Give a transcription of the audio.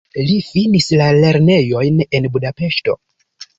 Li finis la lernejojn en Budapeŝto.